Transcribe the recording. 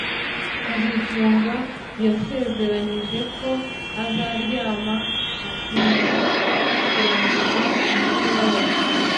kazitunga yasezeranyije ko azaryama akimara kurangiza umukoro we